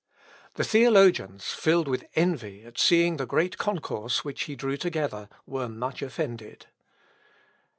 The theologians, filled with envy at seeing the great concourse which he drew together, were much offended.